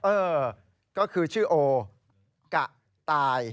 เออก็คือชื่อโอกะตาย